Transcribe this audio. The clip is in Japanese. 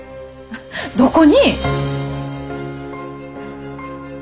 どこに？